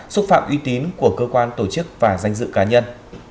xúc phạm uy tín của cơ quan tổ chức và danh dự cá nhân